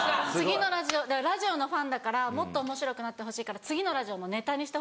ラジオのファンだからもっとおもしろくなってほしいから次のラジオのネタに。